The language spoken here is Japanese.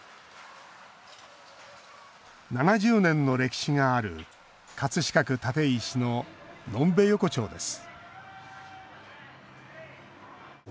７０年の歴史がある葛飾区・立石の呑んべ横丁です